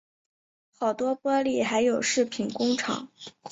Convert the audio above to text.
好多玻璃还有饰品工厂